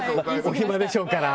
お暇でしょうから。